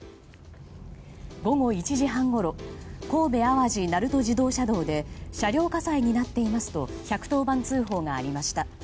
午後１時半ごろ神戸淡路鳴門自動車道で車両火災になっていますと１１０番通報がありました。